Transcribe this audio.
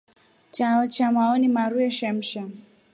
Chao chamo ni maru ya shemsa.